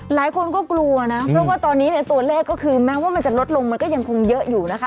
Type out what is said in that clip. หลายคนก็กลัวนะเพราะว่าตอนนี้ในตัวเลขก็คือแม้ว่ามันจะลดลงมันก็ยังคงเยอะอยู่นะคะ